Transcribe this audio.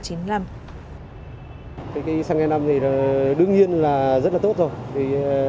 cái xăng e năm này đương nhiên là rất là tốt rồi